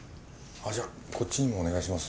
じゃあこっちにもお願いします。